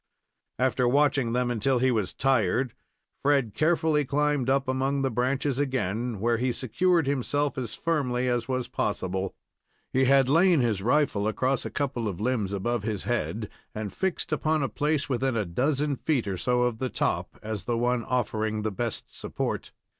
After watching them until he was tired, Fred carefully climbed up among the branches again, where he secured himself as firmly as was possible. He had lain his rifle across a couple of limbs above his head, and fixed upon a place within a dozen feet or so of the top, as the one offering the best support.